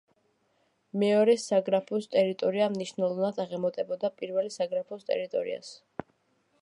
მეორე საგრაფოს ტერიტორია მნიშვნელოვნად აღემატებოდა პირველი საგრაფოს ტერიტორიას.